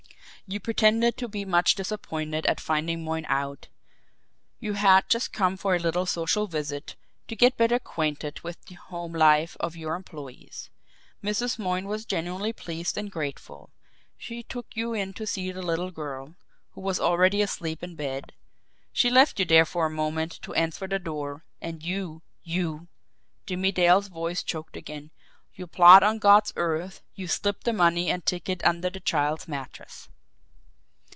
You pretended to be much disappointed at finding Moyne out you had just come for a little social visit, to get better acquainted with the home life of your employees! Mrs. Moyne was genuinely pleased and grateful. She took you in to see their little girl, who was already asleep in bed. She left you there for a moment to answer the door and you you" Jimmie Dale's voice choked again "you blot on God's earth, you slipped the money and ticket under the child's mattress!"